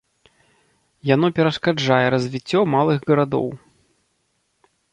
Яно перашкаджае развіццё малых гарадоў.